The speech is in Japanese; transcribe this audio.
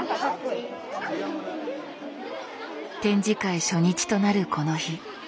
展示会初日となるこの日。